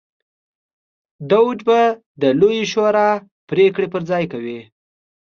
دوج به د لویې شورا پرېکړې پر ځای کوي.